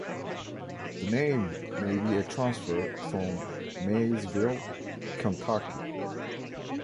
The name may be a transfer from Maysville, Kentucky.